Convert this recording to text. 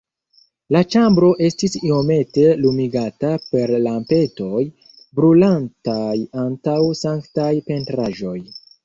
La ĉambro estis iomete lumigata per lampetoj, brulantaj antaŭ sanktaj pentraĵoj.